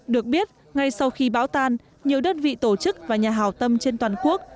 được biết ngay sau khi bão tan nhiều đơn vị tổ chức và nhà hào tâm trên toàn quốc